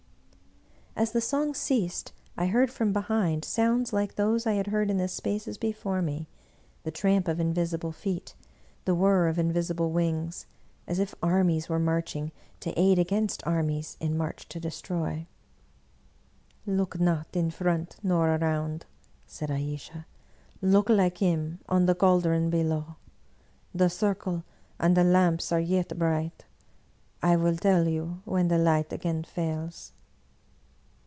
As the song ceased, I heard from behind sounds like those I had heard in the spaces before me — ^the tramp of invisible feet, the whir of invisible wings, as if armies were marching to aid against armies in march to destroy. " Look not in front nor around," said Ayesha. " Look, like him, on the caldron below. The circle and the lamps are yet bright; I will tell you when the light again fails."